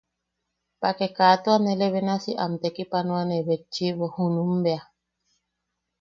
Pake ka tua nele benasia am tekipanoanebetchʼibo junum bea.